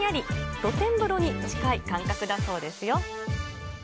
露天風呂に近い感覚だそうですよ。